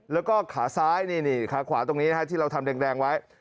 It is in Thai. แล้วก็ขาซ้ายนี่ขาขวาตรงนี้นะฮะที่เราทำแดงไว้